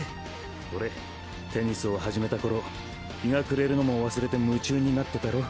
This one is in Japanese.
ほれテニスを始めた頃日が暮れるのも忘れて夢中になってたろ。